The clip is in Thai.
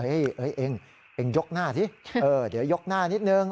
เองเองยกหน้าสิเดี๋ยวยกหน้านิดนึง